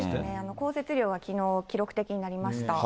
降雪量はきのう記録的になりました。